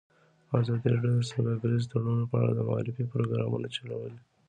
ازادي راډیو د سوداګریز تړونونه په اړه د معارفې پروګرامونه چلولي.